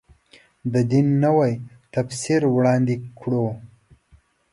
د دین نوی تفسیر وړاندې کړو.